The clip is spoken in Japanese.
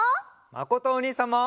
まことおにいさんも！